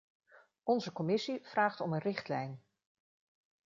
Onze commissie vraagt om een richtlijn.